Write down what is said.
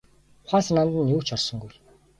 Ухаан санаанд нь юу ч орсонгүй.